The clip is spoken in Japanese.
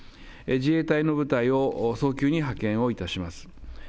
自衛隊の部隊を早急に派遣をいたします。